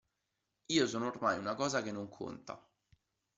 Io sono ormai una cosa che non conta.